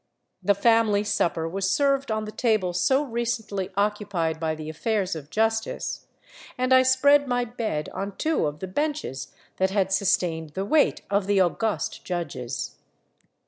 The family supper was served on the table so recently occupied by the affairs of justice, and I spread my bed on two of the benches that had sustained the weight ^of the august judges.